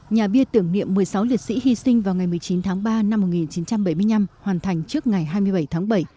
nhà bia tưởng niệm một mươi sáu liệt sĩ hy sinh vào ngày một mươi chín tháng ba năm một nghìn chín trăm bảy mươi năm hoàn thành trước ngày hai mươi bảy tháng bảy